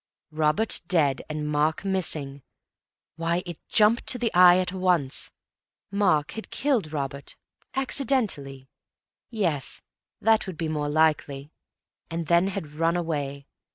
Robert dead and Mark missing; why, it jumped to the eye at once. Mark had killed Robert—accidentally; yes, that would be more likely—and then had run away.